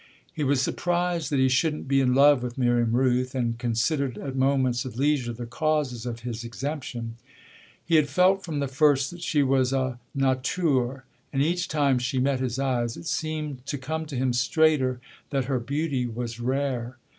He was surprised that he shouldn't be in love with Miriam Rooth and considered at moments of leisure the causes of his exemption. He had felt from the first that she was a "nature," and each time she met his eyes it seemed to come to him straighter that her beauty was rare.